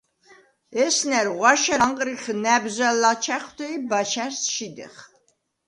ესნა̈რ ღვაშა̈რ ანღრიხ ნა̈ბზვა̈ ლაჩა̈ხვთე ი ბაჩა̈რს შიდეხ.